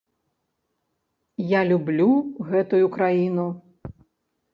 Я люблю гэтую краіну!